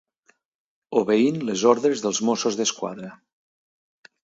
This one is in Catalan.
Obeint les ordres dels Mossos d'Esquadra.